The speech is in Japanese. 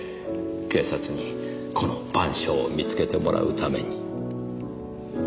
警察にこの『晩鐘』を見つけてもらうために。